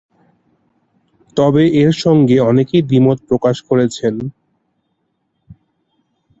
তবে এর সঙ্গে অনেকেই দ্বিমত প্রকাশ করেছেন।